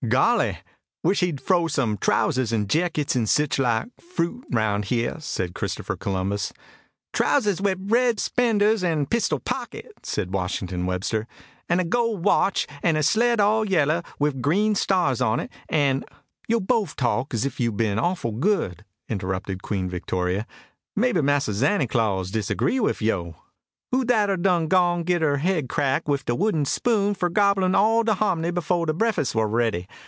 "Golly! wish he'd frow some trowsus an' jackits an' sich like fruit 'roun' here," said Christopher Columbus. "Trowsus wiff red 'spenders an' a pistil pockit," said Washington Webster, "an' a gole watch, an' a sled all yaller, wiff green stars on it, an' " "Yo' bofe talk 's if yo'd bin awful good," interrupted Queen Victoria. "Maybe Mahser Zanty Claws disagree wiff yo'." "Who dat ar done gone git her head cracked wiff de wooden spoon fur gobblin' all de hom'ny befo' de breakfuss war ready?"